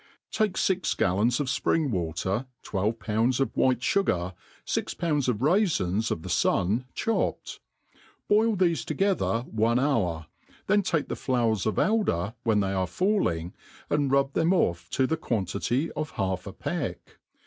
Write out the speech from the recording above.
TAKE fix gallons of fpring water, twelve pounds of white fugar, fix pounds of raifins of the fun chopped. Boil thefe to« gcther one hour then take the flowers of elder, when they are ^ling, and rub them off to the quantity of half a peck.